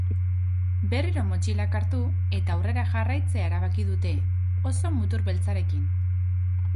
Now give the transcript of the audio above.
Berriro motxilak hartu eta aurrera jarraitzea erabaki dute, oso mutur beltzarekin.